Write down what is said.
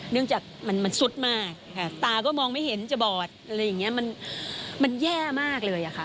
เนื่องจากมันสุดมากตาก็มองไม่เห็นจะบอดมันแย่มากเลย